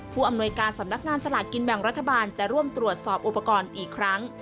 ผู้อำนวยการสำนักงานสลากกินแบ่งรัฐบาลจะร่วมตรวจสอบอุปกรณ์อีกครั้ง